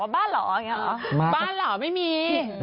บ้าหรอไม่มี